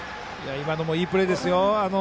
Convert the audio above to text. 今のもいいプレーですよ。